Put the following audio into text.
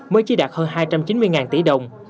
mới chỉ đạt hơn hai trăm chín mươi tỷ đồng